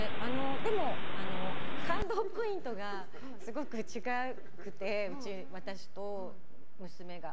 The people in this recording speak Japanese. でも感動ポイントがすごく違くて私と、娘が。